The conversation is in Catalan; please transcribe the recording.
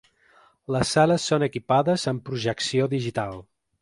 Les sales són equipades amb projecció digital.